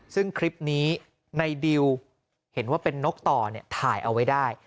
ซึ่งคลิปนี้ในดิวเห็นว่าเป็นนกต่อเนี่ยถ่ายเอาไว้ได้